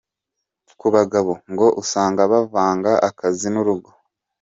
Ku bagabo: Ngo usanga bavanga akazi n’urugo.